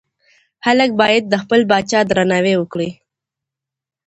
خلګ بايد د خپل پاچا درناوی وکړي.